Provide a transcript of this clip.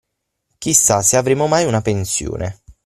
Chissà se avremo mai una pensione.